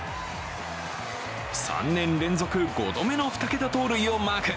３年連続５度目の２桁盗塁をマーク。